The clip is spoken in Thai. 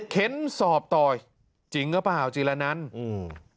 เข็นสอบต่อยจริงหรือเปล่าจิละนันท์